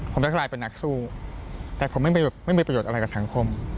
ผมจะกลายเป็นนักสู้แต่ผมไม่มีประโยชน์อะไรกับสังคม